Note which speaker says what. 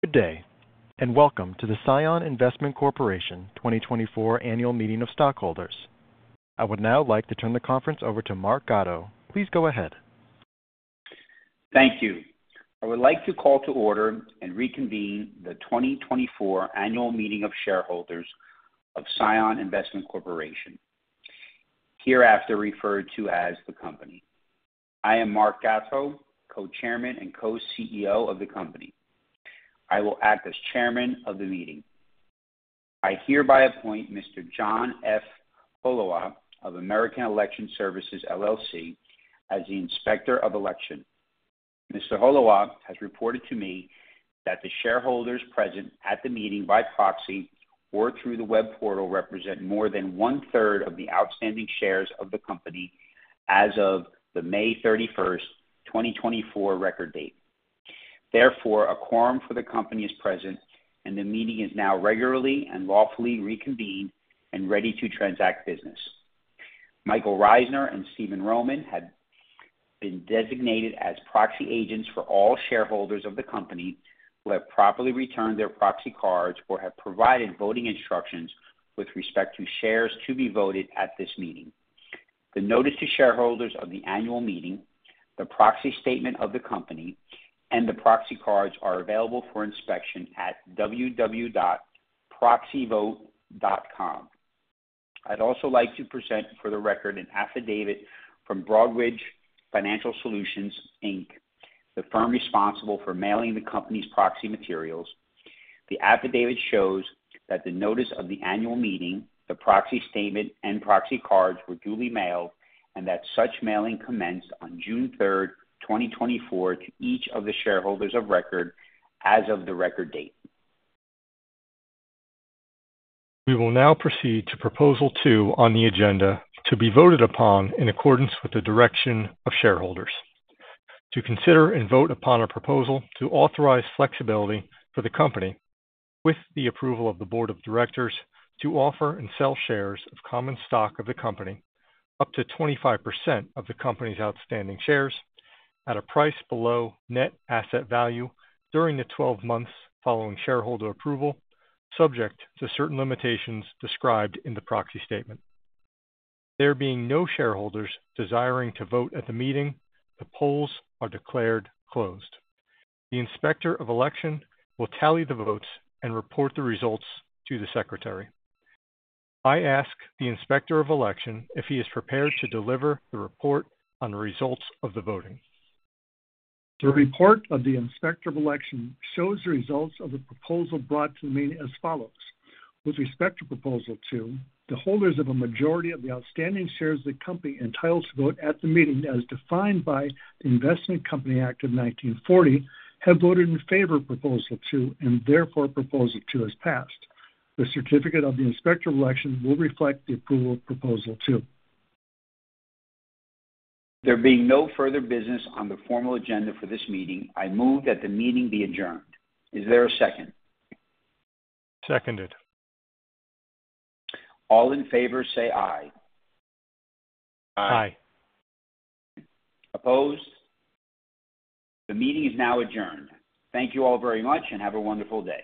Speaker 1: Good day, and welcome to the CION Investment Corporation 2024 Annual Meeting of Stockholders. I would now like to turn the conference over to Mark Gatto. Please go ahead.
Speaker 2: Thank you. I would like to call to order and reconvene the twenty twenty-four Annual Meeting of Shareholders of CION Investment Corporation, hereafter referred to as the company. I am Mark Gatto, Co-Chairman and Co-CEO of the company. I will act as chairman of the meeting. I hereby appoint Mr. John F. Holewa of American Election Services, LLC, as the Inspector of Election. Mr. Holewa has reported to me that the shareholders present at the meeting by proxy or through the web portal represent more than one-third of the outstanding shares of the company as of the May thirty-first, twenty twenty-four record date. Therefore, a quorum for the company is present, and the meeting is now regularly and lawfully reconvened and ready to transact business. Michael Reisner and Stephen Roman have been designated as proxy agents for all shareholders of the company who have properly returned their proxy cards or have provided voting instructions with respect to shares to be voted at this meeting. The notice to shareholders of the annual meeting, the proxy statement of the company, and the proxy cards are available for inspection at www.proxyvote.com. I'd also like to present for the record an affidavit from Broadridge Financial Solutions, Inc, the firm responsible for mailing the company's proxy materials. The affidavit shows that the notice of the annual meeting, the proxy statement, and proxy cards were duly mailed and that such mailing commenced on June third, twenty twenty-four, to each of the shareholders of record as of the record date.
Speaker 3: We will now proceed to Proposal 2 on the agenda to be voted upon in accordance with the direction of shareholders. To consider and vote upon a proposal to authorize flexibility for the company, with the approval of the board of directors, to offer and sell shares of common stock of the company up to 25% of the company's outstanding shares at a price below net asset value during the twelve months following shareholder approval, subject to certain limitations described in the proxy statement. There being no shareholders desiring to vote at the meeting, the polls are declared closed. The Inspector of Election will tally the votes and report the results to the secretary. I ask the Inspector of Election if he is prepared to deliver the report on the results of the voting. The report of the Inspector of Election shows the results of the proposal brought to the meeting as follows: With respect to Proposal 2, the holders of a majority of the outstanding shares of the company entitled to vote at the meeting, as defined by the Investment Company Act of 1940, have voted in favor of Proposal 2, and therefore Proposal 2 has passed. The certificate of the Inspector of Election will reflect the approval of Proposal 2.
Speaker 2: There being no further business on the formal agenda for this meeting, I move that the meeting be adjourned. Is there a second?
Speaker 3: Seconded.
Speaker 2: All in favor say aye.
Speaker 3: Aye. Aye.
Speaker 2: Opposed? The meeting is now adjourned. Thank you all very much, and have a wonderful day.